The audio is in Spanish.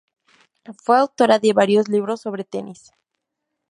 Fue autora de varios libros sobre tenis.